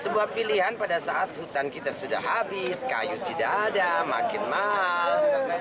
sebuah pilihan pada saat hutan kita sudah habis kayu tidak ada makin mahal